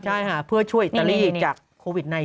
ใช่ค่ะเพื่อช่วยอิตาลีจากโควิด๑๙